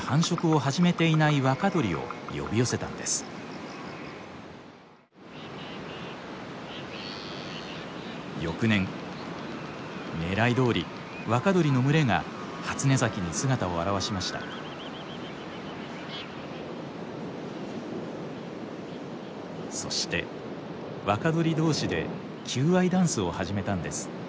そして若鳥同士で求愛ダンスを始めたんです。